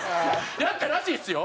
やったらしいですよ。